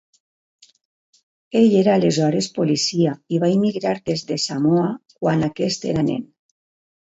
Ell era aleshores policia i va immigrar des de Samoa quan aquest era nen.